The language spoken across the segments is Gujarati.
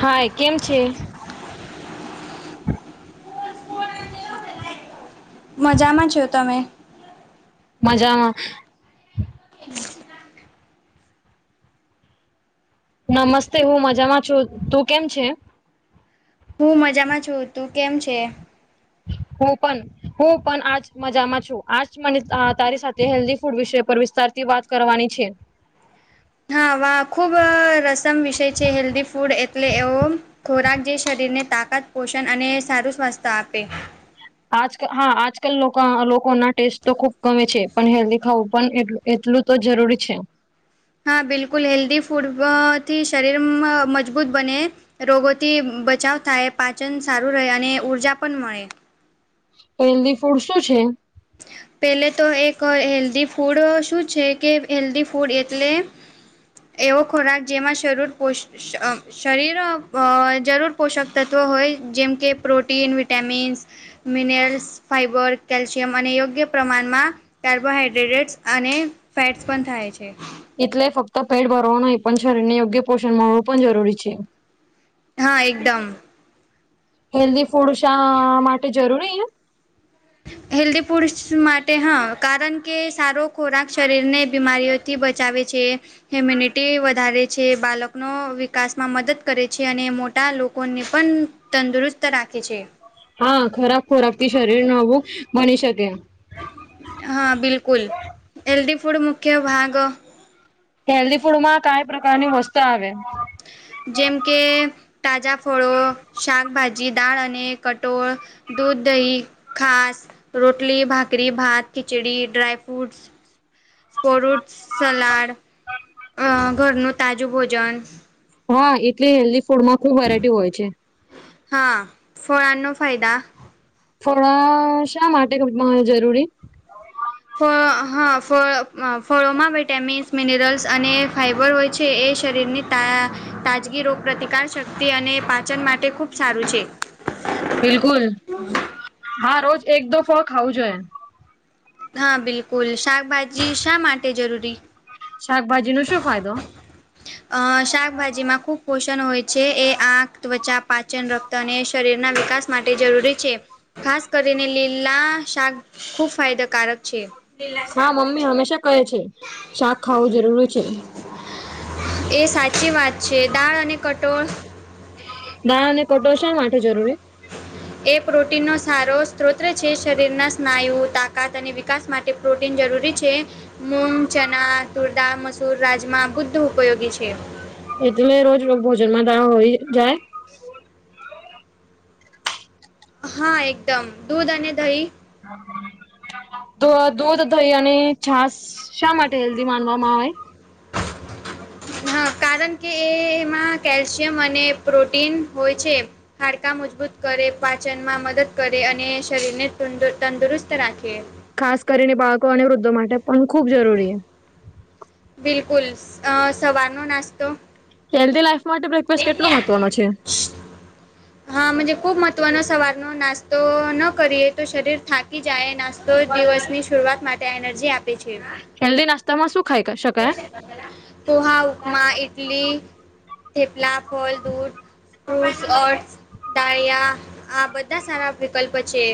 હાય કેમ છે. મજામાં છો તમે. મજામાં. નમસ્તે હું મજામાં છું તું કેમ છે? હું મજામાં છું તું કેમ છે? હું પન હું પણ આજ મજામાં છું આજ મને તારી સાથે હેલ્ધી ફૂડ વિષ પર વિસ્તાર થી વાત કરવાની છે. હા વા ખુબ રસમ વિષય છે હેલ્ધી ફૂડ એટલે એવો. ખોરાક જે શરીરને તાકાત પોષણ અને સારું સ્વાસ્થ આપે. આજક હા આજકાલ લોકોના ટેસ્ટ તો ખુબ ગમે છે પણ હેલ્ધી ખાવું પણ એટલ એટલું તો જરૂરી છે. હા બિલકુલ હેલ્ધી ફૂડ વથી શરીર મ મજબૂત બને. રોગોથી બચાવ થાય પાચન સારું રહે અને ઊર્જા પણ મળે. હેલ્ધી ફૂડ શું છે? પેલેતો એક હેલ્દી ફૂડ શું છે કે હેલ્ધી ફૂડ એટલે એવો ખોરાક જેમાં શરૂર પોસ અ શરીર અ જરૂર પોષક તત્ત્વો હોય જેમ કે protein vitamins. Minerals fibre calcium જે અને યોગ્ય પ્રમાણમાં કાર્બોહાઈડ્રેટ્સ અને ફેટ્સ પણ થાય છે. એટલે ફક્ત પેટ ભરવો નઈ પણ શરીર ને યોગ્ય પોષણ મળવું પણ જરૂરી છે. હા એકદમ. હેલ્ધી ફૂડ શાઆ માટે જરૂરી હેલ્ધી ફૂડ્સ માટે હા કારણ કે સારો ખોરાક શરીર ને બીમારીઓ થી બચાવે છે. હ્યુમ્યનિટી વધારે છે બાલકનો વિકાસમાં મદદ કરે છે અને મોટા લોકોને પણ તંદુરુસ્ત રાખે છે. હા ખરાબ ખોરાક થી શરીર નવું બની શકે. હા બિલકુલ હેલ્દી ફૂડ મુખ્ય ભાગ હેલ્ધી ફૂડમાં કાઈ પ્રકારની વસ્તુ આવે જેમ કે તાજા ફળો શાકભાજી દાળ અને કટોળ. દૂધ દહી ખાસ રોટલી ભાકરી ભાત ખિચડી ડ્રાય ફ્રૂટ્સ. ફોરુટ સલાડ અ ઘરનું તાજું ભોજન હા એટલે હેલ્ધી ફૂડમાં ખુબ વેરાયટી હોય છે. હા ફળાનો ફાયદા થોડા શા માટે જરૂરી ફળ હા ફળ ફળોમાં વિટામિન્સ મિનરલ્સ અને ફાઈબર હોય છે એ શરીરની તા તાજગી રોગપ્રતિકાર શક્તિ અને પાચન માટે ખૂબ સારું છે. બિલકુલ હા રોજ એક દો ફળ ખાવું જોઈએ. હા બિલકુલ શાકભાજી શા માટે જરૂરી શાકભાજીનો શું ફાયદો? અ શાકભાજીમાં ખુબ પોષણ હોય છે એ આંખ ત્વચા પાચનર તને શરીરના વિકાસ માટે જરૂરી છે. ખાસ કરીને લીલા શાક ખૂબ ફાયદાકારક છે. માં મમ્મી હંમેશા કહે છે શાક ખાવું જરૂરી છે. એ સાચી વાત છે દાળ અને કઠોળ દાળ અને કઠોળ શા માટે જરૂરી. એ પ્રોટીનનો સારો સ્ત્રોત છે શરીરના સ્નાયુ તાકાત અને વિકાસ માટ તે પ્રોટીન જરૂરી છે. મૂગ ચણા તુરદા મસૂર રાજમા બુદ્ધ ઉપયોગી છે. એટલે રોજ [unintelligible] ભોજન માં દાળ હોય જાય. હા એકદમ દૂધ અને દહી [unintelligible] તો દૂધ દહી અને છાસ શા માટે હેલ્ધી માનવામાં આવે. [inaudible] હા કારણ એ એમાં કેલ્શિયમ અને પ્રોટીન હોય છે. હાડકા મજબૂત કરે પાચનમાં મદદ કરે અને શરીરને તંદુ તંદુરસ્ત રાખે. ખાસ કરીને બાળકો અને વૃદ્ધો માટે પણ ખુબ જરૂરી બિલકુલ આ સવારનો નાસ્તો હેલ્ધી લાઈફ માટે બ્રેકફાસ્ટ કેટલો મહત્વનો છે. હા મજે ખૂબ મહત્વનો સવારનો નાસ્તો ન કરીએ તો શરીર થાક થાકી જાય નાસ્તો દિવસની શરૂઆત માટે એનર્જી આપે છે. હેલ્દી નાસ્તા માં શું ખાઈ શકાય. પોહા ઉપમા ઇટલી થેપલા ફળ દૂધ ફ્રુટ દાળિયા આ બધા સારા વિકલ્પ છે.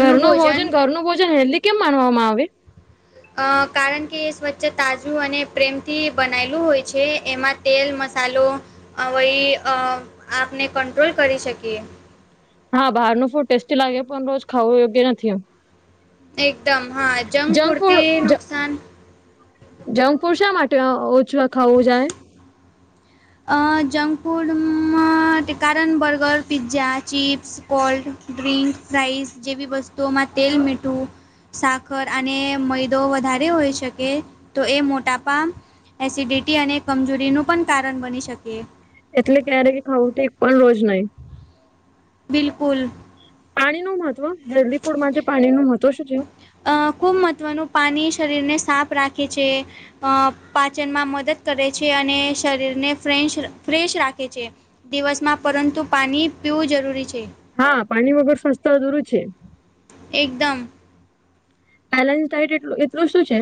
ઘરનું ભોજન ઘરનું ભોજન હેલ્ધી કેમ માનવામાં આવે. આ કારણ કે એ સ્વચ્છ તાજું અને પ્રેમથી બનાયલું હોય છે એમાં તેલ મસાલો આવય આપને કંટ્રોલ કરી શકીએ. હા બહારનું ફૂડ ટેસ્ટી લાગે પણ રોજ ખાવું યોગ્ય નથી એમ. એકદમ હા જંક ફૂડ તી નુકસાન જંક ફૂડ સા માટે ઓછવા ખાવું જાય. આ જંક ફૂડમાં કારણ બર્ગર પિઝ્ઝા ચિપ્સ સ્કોલ્ટ ડ્રિંક રાઇસ જેવી વસ્તુઓમાં તેલ મીઠું સાખર અને મૈદો વધારે હોય શકે તો એ મોટાપ એસિડિટી અને કમજોરીનું પણ કારણ બની શકે. એટલે ક્યારે ખાવું તે પણ રોજ નહી. બિલકુલ. પાણી નું મહત્વ હેલ્ધી ફૂડમાં પાણી નું મહત્વ શું છે. આ ખૂબ મહત્ત્વનું પાણી શરીરને સાફ રાખે છે. આ પાચનમાં મદદ કરે છે અને શરીરને ફેશ ફ્રેશ રાખે છે. દિવસમાં પરંતુ પાણી પીવું જરૂરી છે. હા પાણી વગર સ્વસ્થતા અધુરુ છે. એકદમ. બેલેન્સ ડાયટ એટ એટલું શું છે.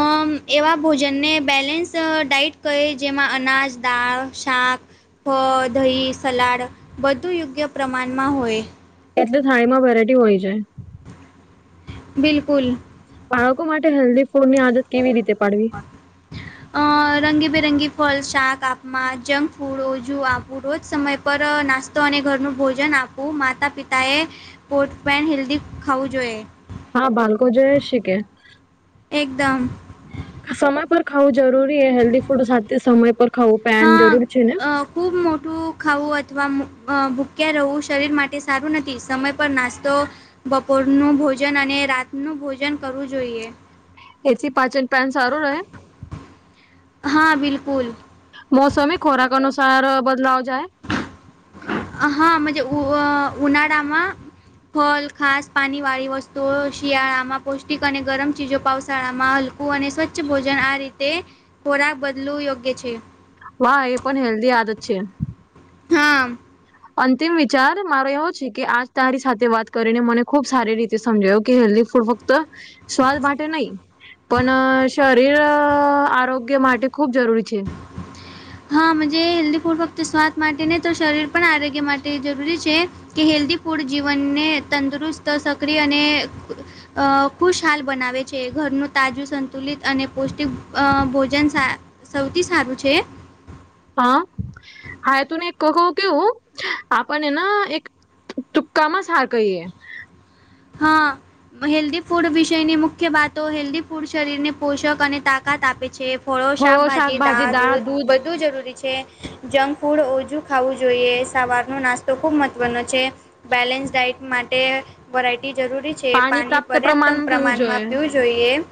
આ એવા ભોજનને બેલેન્સ ડઇટ કહે જેમાં અનાજ દાળ શાક ફળ દહીં સલાડ બધું યોગ્ય પ્રમાણમાં હોય. એટલે થાળીમાં વેરાયટી હોય છે. બિલકુલ. બાળકો માટે હેલ્ધી ફૂડની આદત કેવી રીતે પાડવી અ રંગીબેરંગી ફળ શાક આપમા જંક ફૂડ રજું આપવું રોજ સમય પર નાસ્તો અને ઘરનું ભોજન આપવું માતા પિતાએ પોટ પેન હેલ્ધી ખાવું જોઈએ. હા બાળકો જોઈ એ શી કે. એકદમ. સમય પર ખાવું જરૂરી હેલ્ધી ફૂડ સાથે સમય પર ખાવું પેન હા જરૂર છે ને ખૂબ મોટું ખાવું અથવા ભૂક્યા રહેવું શરીર માટે સારું નથી સમય- પર નાસ્તો બપોરનું ભોજન અને રાતનું ભોજન કરવું જોઈએ- એસી પાચન પેન સારું રહે? હા બિલકુલ! મોસમી ખોરાક અનુસાર બદલાવ જાય. હા! મા ઝે ઉનાળામાં ફલ ખાસ પાણીવાળી વસ્તુઓ. શિયાળામાં પૌષ્ટિક અને ગરમ ચીજો. પાાવશાળામાં હલ. - અને સ્વચ્છ ભોજન આ રીતે થોડાક બદલું યોગ્ય છે. વાહ! એ પણ હેલ્ધી આદત છે. હા! અંતિમ વિચાર, મારો એવો છે કે આજ તારી સાથે વાત કરીને મને ખુબ સારી રીતે સમજાયો કે હેલ્ધ ફૂડ ફત. તો સ્વાદ માટે નહી, પણ શરત- શરીર આરોગ્ય માટે, ખૂબ જરૂરી છે. હા હેલ્ધી ફૂડ ફક્ત સ્વાદ માટે નહીં તો, શરીર પણ આરોગ્ય માટે જરૂરી છે. કે હેલ્ધી ફૂડ જીવનને તંદુરસ્ત સક્રિય અને. અ ખુશ હાલ બનાવે છે. ઘરનું તાજું સંતુલિત અને પૌષ્ટિક અ ભોજન. સૌથી સારું છે. હા હા! એત એક કેવું આપણના એક. ચુક્કામાંસ હાર કઈ? હા! હેલ્ધી ફૂડ વિષયની મુખ્ય વાતો, હેલ્ધી ફૂડ શરીરને પોષક અને તાકાત આપે છે. ફળો, શાકભાજી, દાળ, દૂધ. વધુ જરૂરી છે. જંક ફૂડ ઓછું ખાવું જોઈએ. સવારનો નાસ્તો ખૂબ મહત્ત્વનો છે. બેલેન્સ ડાયટ માટે વરાયટી જરૂરી છે. પાણી પ્રાપ્ત પર્યાપ્ત પીવું પ્રમાણમાં જોઈએ પીવું.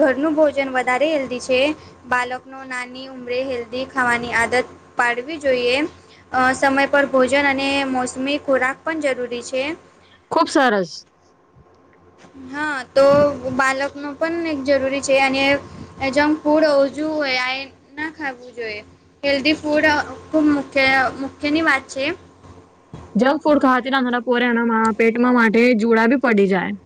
ઘરનું ભોજન વધારે હેલ્ધ છે. બાલક ન નાની. ઉમરે હેલ્ધી ખાવાની આદત પાડવી જોઈએ. સમય પર ભોજન અને મોસમી ખોરાક પણ જરૂરી છે. ખૂબસરસ. હા તો બાલક ન પણ એક જરૂરી છે. અને એજમ ફૂડ ઓજું હોય. આ ના ખું જોઈએ. હેલ્ધી ફૂડ ખૂબ મુખ્ય મુખ્યની વાત છે. જંક ફૂડ ખાતી ના થડા પોરેના પેટમાં માટે જોુડા બી પડી જાય.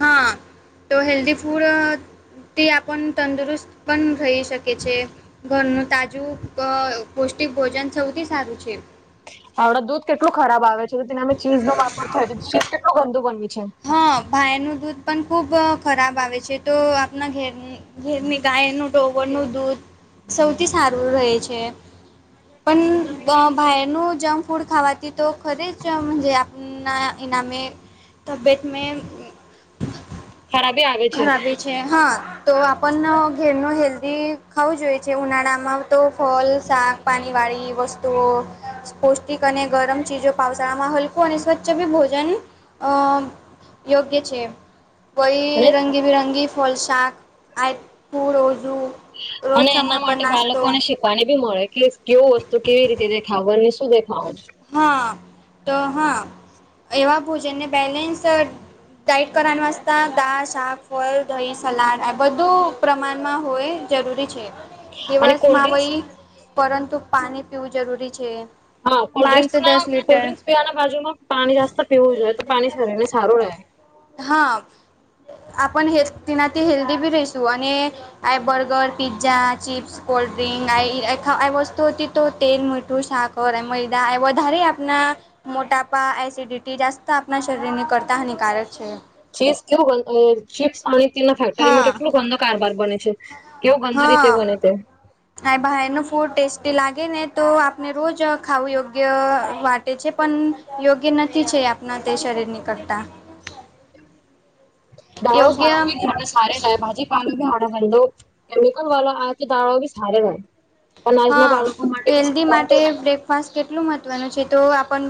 હા તો હેલ્ધી ફૂડથી આપણ તંદુરસ્ત પણ રહી શકે છે. ઘરનું તાજું પૌષ્ટિક ભોજન સૌથી સારું છે. હણા દૂધ કેટલું ખરાબ આવે છે. તો તેને અમે ચીઝ નો વાપરતા ચીજ કેટલું ગંદુ બનવી છે. હં ભાયનું દૂધ પણ ખૂબ ખરાબ આવે છે. તો આપણા ઘર. ઘરની ગાયનું ટોવરનું દૂધ સૌથી સારું રહે છે. પણ ભાઈનો જંક ફૂડ ખાવાથી તો ખરે જજ. ના એનામે તબિયત મે- ખરાબી આવે છે. ખરાબી હા. તો આપણ ઘેરનું હેલ્ધી ખાવું જોઈએ છે. ઉનાળામાં તો ફલ, શાક પાણી વાળી વસ્તુઓ પૌષ્ટિક અને ગરમ ચીજો પાાવશળામાં, હલકોું અને સ્વચ્છ બી ભોજન અ. યોગ્ય છે. બઈ અને રંગીબિરંગી ફલ, શાક આપું રોઝું. અને એના માટે બાળકોને શ. પાની બી મળે. કે કેવું વસ્તુ કેવી રીતે દેખાવ ને શું દેખાવુ? હા તો હા એવા ભોજનને બેલેન્સ ડાઇટ કરવા વાસતા દાળ, શાક, ફળ, દહીં, સલાડ આ બધું પ્રમાણમાં હોય જરૂરી છે. અને દિવસમાં કોલ્ડ્રિંક્સ વહી પરંતુ પાણી પીવું જરૂરી છે. હા કોલ્ડ પાંચ ડ્રિંસ તો ના દસ લીટર કોલ્ડ્ર્રીંક્સ પીવાના બાજુ માં પાણી જાસ્ત પીવું જોઈએ તો પાણીને સારું રહે. હા આપ હે તેનાથી હેલ્ધી ભી રહીશું અને આ burger, pizza, chips cold drink આ વસ્તુ તી તો તેલ, મીઠું, સાકર વધારે આપના મોટાપા એસિડિટી જાસ્ત આપણા શરીરની કરતાં હાનિકારક છે. ચિપ્સ કેવું બન [unintelligible] ચીપ્સ ફેક્ટરીમાં હા. કેટલું ગંદો કારબાર બને છે કેવું ગંદ રીતે હા. બને છે. આ બહારનું ફૂડ ટેસ્ટી લાગે ને તો આપને રોજ ખાવું યોગ્ય વાટે છે પણ યોગ્ય નથી છે આપણા તે શરીર ની કરતા. દાળો સારો યોગ્ય [unintelligible] ભાજી પાણી ઓડર કરી દો કેમિકલ વાલો [unintelligible] સારો હોય. અનાજના બાળકો માટે કશું ગમ તો નહી. શ્વાસ કેટલું મહત્ત્વનું છે તો આપણ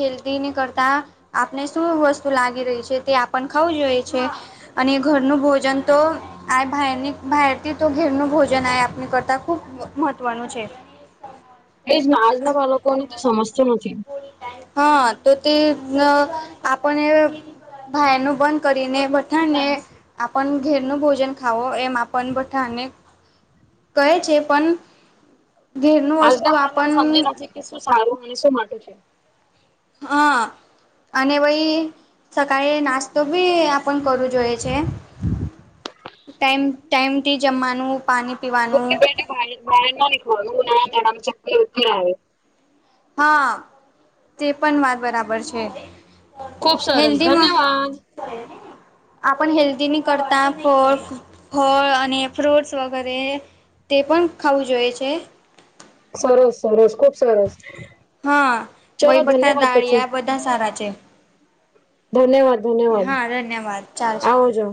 હેલ્ધીને કરતાં આપને શું વસ્તુ લાગી રહી છે તે આપન ખાવું જોઈ છે. અને ઘરનું ભોજન તો આ ભરની ભરથી તો ઘેરનું ભોજન આપણી કરતા ખૂબ મહત્વનું છે. એજ આજના બાળકોને તો સમજતો નથી. હા તો તે આપણને બહારનું બંધ કરીને બધા ને આપણ ઘેરનું ભોજન ખાવો એમ આપણ બધાને કહે છે પણ ઘેરનું આજના વસ્તુ બાળકો સમજે આપણ ના કે શું સારું અને શું માથું છે. હા. અને વહી સકાળ નાસ્તો બી આપણ કરવો જોઈએ છે. ટાઈમ ટાઈમથી જમવાનું પાણી પીવાનું [unintelligible] હા તે પણ માર બરાબર છે ખુબ સરસ હેલ્ધી માં [inaudible] ધન્યવાદ આપણ હેલ્દીની કરતા ફ ફળ અને ફ્રૂટ્સ વગેરે તે પણ ખાવું જોઈએ છે. સરસ સરસ ખુબ સરસ. હા ચલો વહીભઠા ધન્યવાદ પછી દાળીયા બધા સારા છે. ધન્યવાદ ધન્યવાદ હા ધન્યવાદ ચાલસે. આવજો